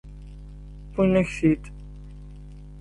Wwin-ak-t-id.